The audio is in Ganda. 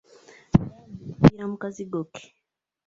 Bambi yaffiira mu kazigo ke.